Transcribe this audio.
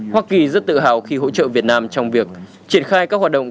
hoa kỳ rất tự hào khi hỗ trợ việt nam trong việc triển khai các hoạt động